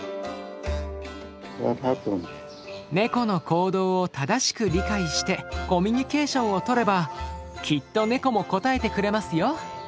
ネコの行動を正しく理解してコミュニケーションをとればきっとネコも応えてくれますよ。